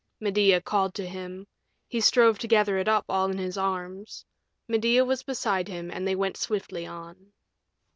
Medea called to him. He strove to gather it all up in his arms; Medea was beside him, and they went swiftly on.